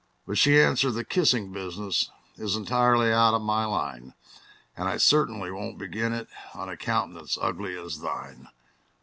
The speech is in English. But she answered, "The kissing business Is entirely out of my line; And I certainly will not begin it On a countenance ugly as thine!"